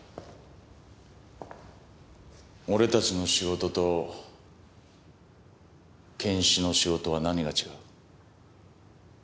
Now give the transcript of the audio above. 俺たちの仕事と検視の仕事は何が違う？